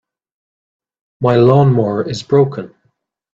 My lawn-mower is broken.